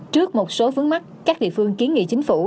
trước một số vấn mắc các địa phương kiến nghị chính phủ